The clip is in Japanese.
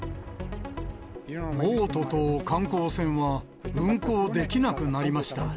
ボートと観光船は、運航できなくなりました。